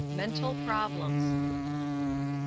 MENTAL PROBLEMS. "Dr.